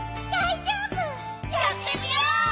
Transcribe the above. やってみよう！